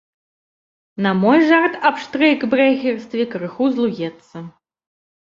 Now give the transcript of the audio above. На мой жарт аб штрэйкбрэхерстве крыху злуецца.